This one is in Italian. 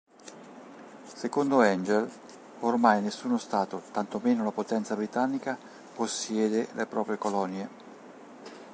Secondo Angell, ormai nessuno Stato, tanto meno la potenza britannica, "possiede" le proprie colonie.